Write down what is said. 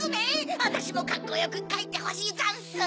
あたしもカッコよくかいてほしいざんす。